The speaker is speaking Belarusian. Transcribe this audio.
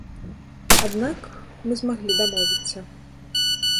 Аднак мы змаглі дамовіцца.